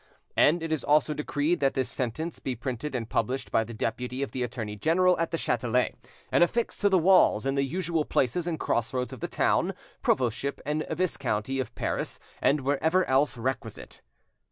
And it is also decreed that this sentence be printed and published by the deputy of the Attorney General at the Chatelet, and affixed to the walls in the usual places and cross roads of the town, provostship and viscounty of Paris, and wherever else requisite.